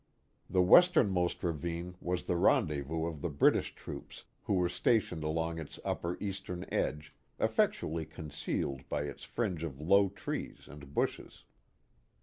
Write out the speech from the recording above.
The westernmost ravine was the rendezvous of the British troops, who were stationed along its upper eastern edge, effectually concealed by its fringe of low trees and bushes.